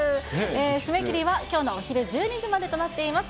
締め切りはきょうのお昼１２時までとなっています。